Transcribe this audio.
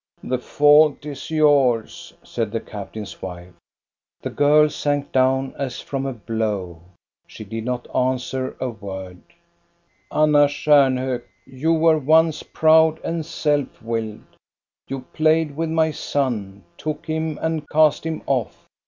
The fault is yours," said the captain's wife. The girl sank down as from a blow. She did not answer a word. " Anna Stjarnhok, you were once proud and self willed : you played with my son, took him and cast him off.